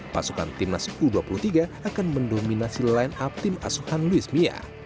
pasukan timnas u dua puluh tiga akan mendominasi line up tim asuhan luis mia